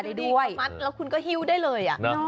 ดูดีคำมัดแล้วคุณก็ฮิวได้เลยอ่ะ